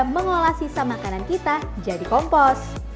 mengolah sisa makanan kita jadi kompos